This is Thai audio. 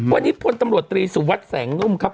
วันนี้พลตำรวจตรีสุวัสดิ์แสงนุ่มครับ